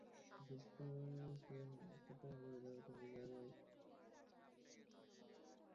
বিশেষ অতিথি ছিলেন চট্টগ্রাম বিশ্ববিদ্যালয়ের অর্থনীতি বিভাগের বিভাগীয় প্রধান মঈনুল ইসলাম।